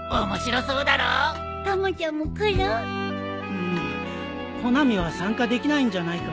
うん穂波は参加できないんじゃないかな。